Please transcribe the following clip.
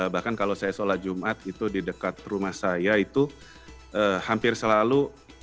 bahkan kalau saya sholat jumat itu di dekat rumah saya itu hampir selalu